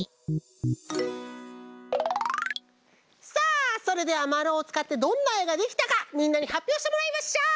さあそれではまるをつかってどんなえができたかみんなにはっぴょうしてもらいましょう！